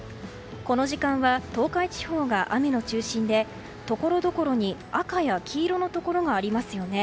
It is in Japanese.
この時間は東海地方が雨の中心でところどころに赤や黄色のところがありますよね。